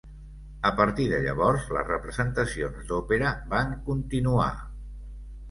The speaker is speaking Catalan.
A partir de llavors, les representacions d'òpera van continuar.